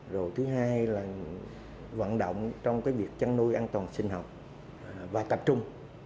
rồi thứ hai là vận động trong việc chăn nuôi an toàn sinh học và tập trung